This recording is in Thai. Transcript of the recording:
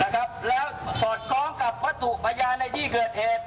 แล้วสอดคล้องกับวัตถุพยานในที่เกิดเหตุ